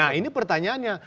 nah ini pertanyaannya